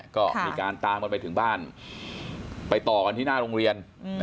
ก็มีการตามกันไปถึงบ้านไปต่อกันที่หน้าโรงเรียน